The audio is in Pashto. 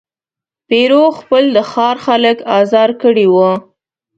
پیرو خپل د ښار خلک آزار کړي وه.